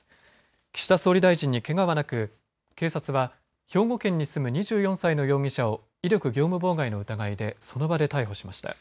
岸田総理大臣にけがはなく警察は、兵庫県に住む２４歳の容疑者を威力業務妨害の疑いでその場で逮捕しました。